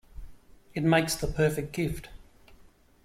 It makes the perfect gift.